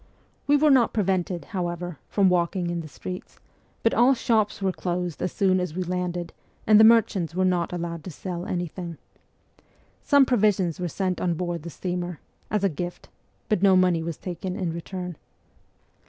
We were not pre vented, however, from walking in the streets, but all shops were closed as soon as we landed and the merchants were not allowed to sell anything. Some provisions were sent on board the steamer as a gift, but no money was taken in return.